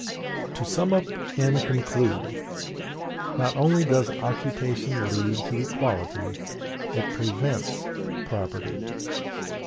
To sum up and conclude: Not only does occupation lead to equality, it PREVENTS property.